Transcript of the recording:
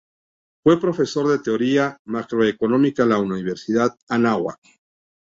Fue profesor de Teoría Macroeconómica en la Universidad Anáhuac.